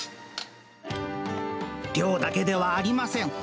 量だけではありません。